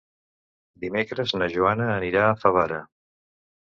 Dimecres na Joana anirà a Favara.